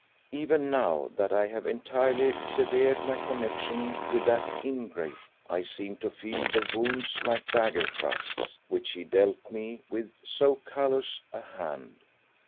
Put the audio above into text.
Even now that I have entirely severed my connexion with that ingrate, I seem to feel the wounds, like dagger thrusts, which he dealt me with so callous a hand.